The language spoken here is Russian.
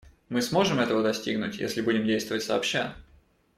Мы сможем этого достигнуть, если будем действовать сообща.